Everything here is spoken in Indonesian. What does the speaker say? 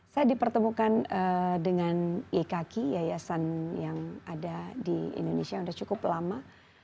saya dipertemukan dengan ykki yasan yang ada di indonesia